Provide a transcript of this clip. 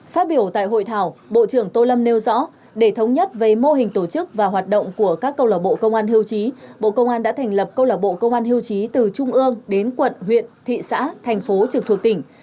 phát biểu tại hội thảo bộ trưởng tô lâm nêu rõ để thống nhất về mô hình tổ chức và hoạt động của các câu lạc bộ công an hưu trí bộ công an đã thành lập câu lạc bộ công an hưu trí từ trung ương đến quận huyện thị xã thành phố trực thuộc tỉnh